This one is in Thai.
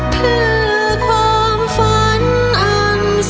เพื่อความฝันอันสงสุดจะอุทิศ